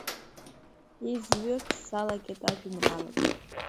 Изҩырц салагеит ажәеинраалак…